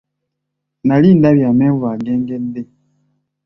Nali ndabye amenvu agengedde.